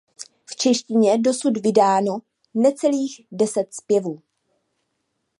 V češtině dosud vydáno necelých deset zpěvů.